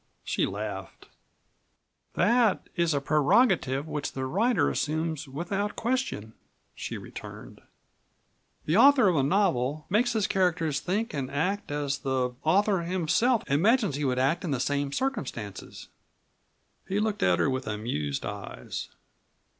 She laughed. "That is a prerogative which the writer assumes without question," she returned. "The author of a novel makes his characters think and act as the author himself imagines he would act in the same circumstances." He looked at her with amused eyes.